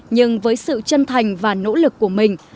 nhưng với sự chân thành và nỗ lực của mình